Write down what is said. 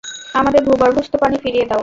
আমাদের ভূগর্ভস্থ পানি ফিরিয়ে দাও।